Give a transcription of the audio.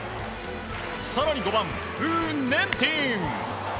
更に５番、ウー・ネンティン。